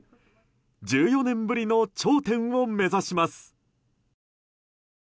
１４年ぶりの頂点を目指します。